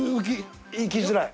行きづらい。